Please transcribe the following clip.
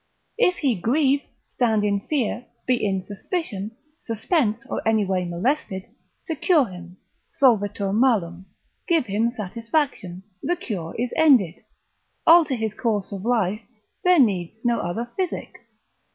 If he grieve, stand in fear, be in suspicion, suspense, or any way molested, secure him, Solvitur malum, give him satisfaction, the cure is ended; alter his course of life, there needs no other physic.